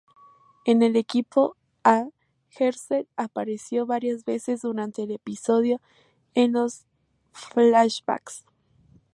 En el episodio "A", Hershel aparece varias veces durante el episodio en los flashbacks.